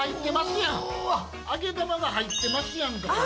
揚げ玉が入ってますやんかこれ！